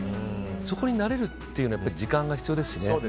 そこに慣れるっていうのは時間が必要ですしね。